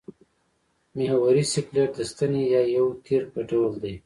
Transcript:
محوري سکلېټ د ستنې یا یو تیر په ډول دی.